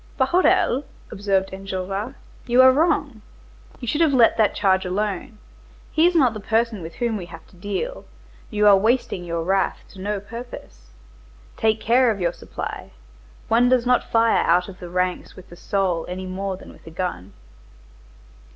"Bahorel," observed Enjolras, "you are wrong. You should have let that charge alone, he is not the person with whom we have to deal, you are wasting your wrath to no purpose. Take care of your supply. One does not fire out of the ranks with the soul any more than with a gun."